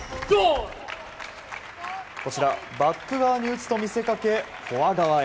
バック側に打つと見せかけフォア側へ。